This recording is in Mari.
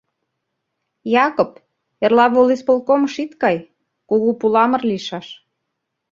— Якып, эрла волисполкомыш ит кай, кугу пуламыр лийшаш.